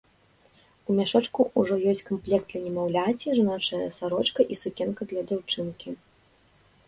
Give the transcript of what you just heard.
У мяшочку ўжо ёсць камплект для немаўляці, жаночая сарочка і сукенка для дзяўчынкі.